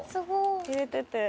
入れてて。